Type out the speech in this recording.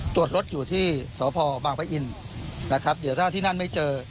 ตรวจรถอยู่ที่สพบางปะอินนะครับเดี๋ยวถ้าที่นั่นไม่เจอ